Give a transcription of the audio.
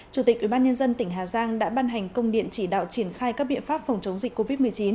chủ tịch ubnd tỉnh hà giang đã ban hành công điện chỉ đạo triển khai các biện pháp phòng chống dịch covid một mươi chín